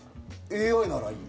ＡＩならいいよ。